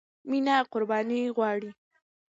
مینه قربانی غواړي.